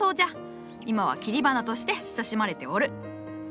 今は切り花として親しまれておる。